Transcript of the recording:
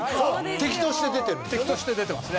敵として出てますね。